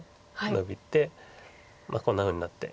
まあこんなふうになって。